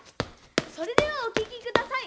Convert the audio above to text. それではおききください！